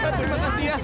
terima kasih ya